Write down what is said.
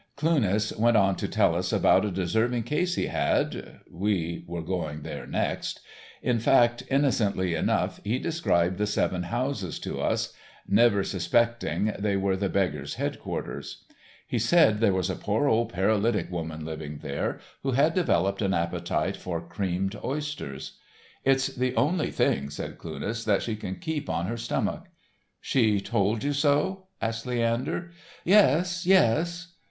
Cluness went on to tell us about a deserving case he had—we were going there next—in fact, innocently enough, he described the Seven Houses to us, never suspecting they were the beggar's headquarters. He said there was a poor old paralytic woman lived there, who had developed an appetite for creamed oysters. "It's the only thing," said Cluness, "that she can keep on her stomach." "She told you so?" asked Leander. "Yes, yes."